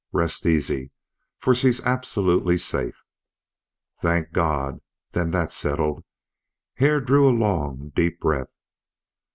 Rest easy, for she's absolutely safe." "Thank God!... then that's settled." Hare drew a long, deep breath.